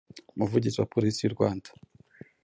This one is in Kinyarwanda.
Umuvugizi wa Polisi y’u Rwanda